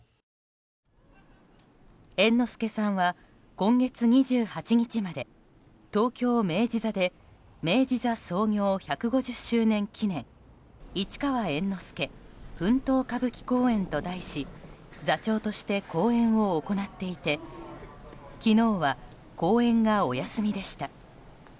猿之助さんは、今月２８日まで東京・明治座で「明治座創業百五十周年記念市川猿之助奮闘歌舞伎公演」と題し座長として公演を行っていて昨日は、公演がお休みでした。